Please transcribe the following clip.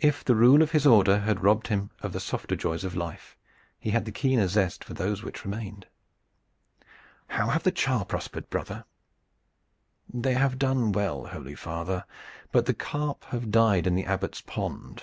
If the rule of his Order had robbed him of the softer joys of life, he had the keener zest for those which remained. "How have the char prospered, brother?" "They have done well, holy father, but the carp have died in the Abbot's pond."